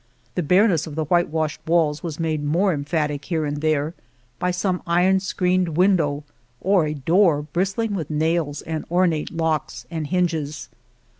The bareness of the whitewashed walls was made more em phatic here and there by some iron screened window, or a door bristling with nails and ornate locks and hinges.